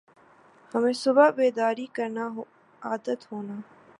ہمیں صبح بیداری کرنا عادت ہونا